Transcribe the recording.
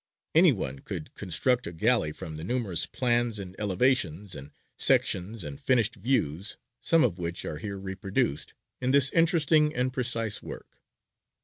Any one could construct a galley from the numerous plans and elevations and sections and finished views (some of which are here reproduced) in this interesting and precise work.